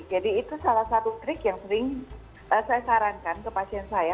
jadi itu salah satu trik yang sering saya sarankan ke pasien saya